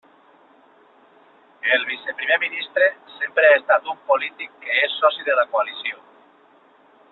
El viceprimer ministre sempre ha estat un polític que és soci de la coalició.